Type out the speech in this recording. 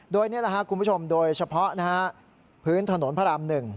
โดยนี้ล่ะคุณผู้ชมโดยเฉพาะพื้นถนนพระราม๑